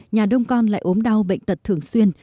nhà đông con lại ốm đau bệnh tật thường xuyên